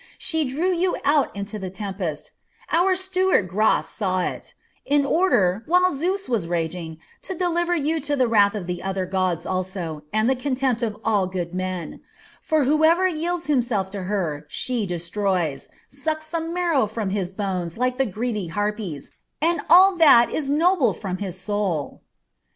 She drew you out into the tempest our steward Gras saw it in order, while Zeus was raging, to deliver you to the wrath of the other gods also and the contempt of all good men; for whoever yields himself to her she destroys, sucks the marrow from his bones like the greedy harpies, and all that is noble from his soul."